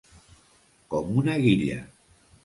Com una guilla.